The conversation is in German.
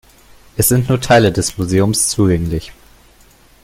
Es sind nur Teile des Museums zugänglich.